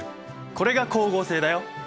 これが光合成だよ。